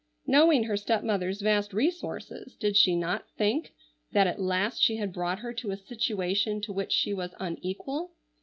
Knowing her stepmother's vast resources did she not think that at last she had brought her to a situation to which she was unequal?